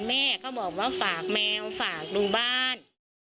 แม่ก็บอกว่าฝากแมวฝากดูบ้าน